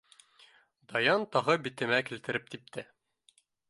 Даян тағы битемә килтереп типте.